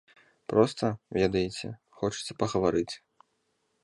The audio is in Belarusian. Проста, ведаеце, хочацца пагаварыць.